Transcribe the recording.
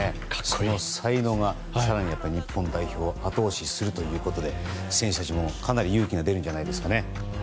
その才能が更に日本代表を後押しするということで選手たちも、かなり勇気が出るんじゃないですかね。